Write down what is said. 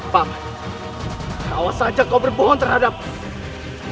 pak kau saja kau berbohong terhadap aku